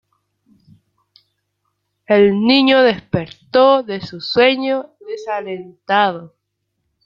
El niño despertó de su sueño desalentado.